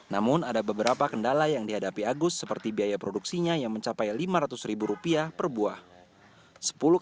namun ada beberapa kendala yang dihadapi agus seperti biaya produksinya yang mencapai lima ratus ribu rupiah per buah